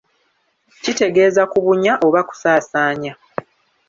Kitegeeza kubunya oba kusaasaanya.